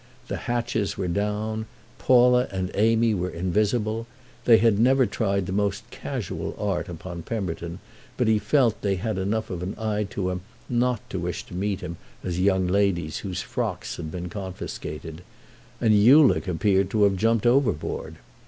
The hatches were down, Paula and Amy were invisible—they had never tried the most casual art upon Pemberton, but he felt they had enough of an eye to him not to wish to meet him as young ladies whose frocks had been confiscated—and Ulick appeared to have jumped overboard.